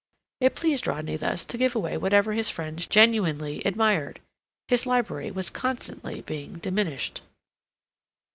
It pleased Rodney thus to give away whatever his friends genuinely admired. His library was constantly being diminished.